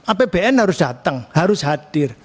apbn harus datang harus hadir